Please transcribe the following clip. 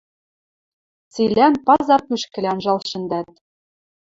цилӓн пазар кӱшкӹлӓ анжал шӹндӓт